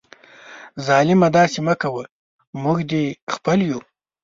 ظالمه داسي مه کوه ، موږ دي خپل یو